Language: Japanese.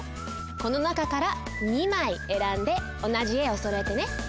この中から２まいえらんでおなじえをそろえてね。